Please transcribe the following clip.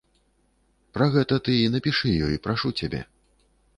Пра гэта ты і напішы ёй, прашу цябе.